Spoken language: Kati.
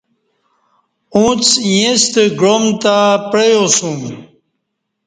اُݩڅ ییݩستہ گعام تہ پعیاسُوم